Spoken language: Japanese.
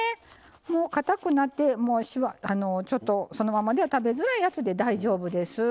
もうかたくなってちょっとそのままでは食べづらいやつで大丈夫です。